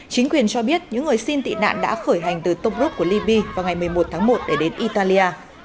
chính quyền cho biết những người xin tị nạn đã khởi hành từ toprov của liby vào ngày một mươi một tháng một để đến italia